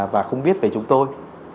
và không biết về chúng tôi